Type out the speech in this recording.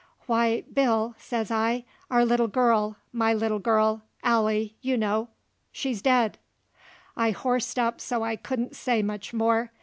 "Why, Bill," sez I, "our little girl my little girl Allie, you know she's dead." I hoarsed up so I couldn't say much more.